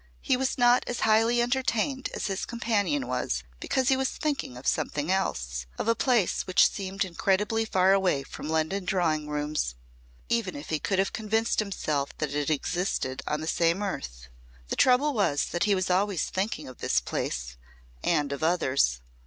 He was not as highly entertained as his companion was because he was thinking of something else of a place which seemed incredibly far away from London drawing rooms even if he could have convinced himself that it existed on the same earth. The trouble was that he was always thinking of this place and of others.